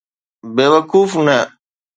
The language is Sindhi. بيوقوف نه.